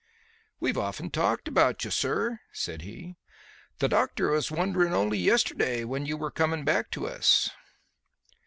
"We've often talked about you, sir," said he. "The doctor was wondering only yesterday when you were coming back to us."